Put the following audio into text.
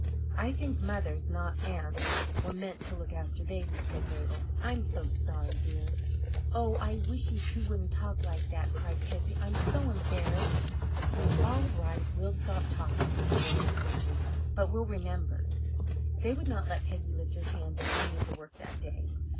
"I think mothers, not aunts, were meant to look after babies," said Mabel. "I'm so sorry, dear!" "Oh, I wish you two wouldn't talk like that!" cried Peggy. "I'm so ashamed." "All right, we'll stop talking," said Mabel quickly, "but we'll remember." They would not let Peggy lift her hand to any of the work that day.